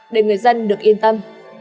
để người dân được yên tâm